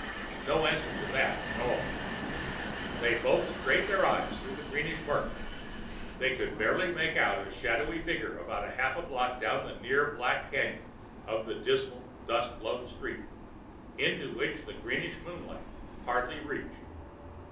No answer to that at all. They both strained their eyes through the greenish murk. They could barely make out a shadowy figure about half a block down the near black canyon of the dismal, dust blown street, into which the greenish moonlight hardly reached.